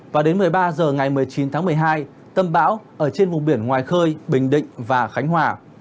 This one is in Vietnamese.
và đến một mươi ba h ngày một mươi chín tháng một mươi hai tâm bão ở trên vùng biển ngoài khơi bình định và khánh hòa